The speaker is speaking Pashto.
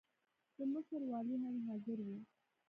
د مصر والي هم حاضر وو.